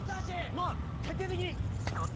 もう徹底的にえい！